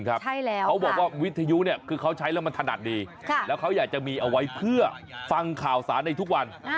เขาบอกว่าวิทยุเนี่ยคือเขาใช้แล้วมันถนัดดีแล้วเขาอยากจะมีเอาไว้เพื่อฟังข่าวสารในทุกวัน